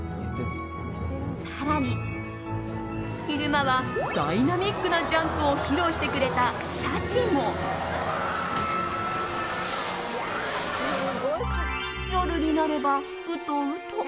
更に、昼間はダイナミックなジャンプを披露してくれたシャチも夜になれば、ウトウト。